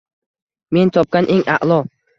Men topgan eng a’lo